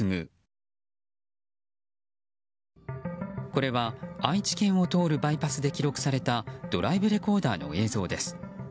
これは愛知県を通るバイパスで記録されたドライブレコーダーの映像です。